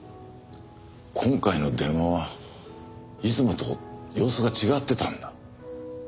今回の電話はいつもと様子が違ってたんだ。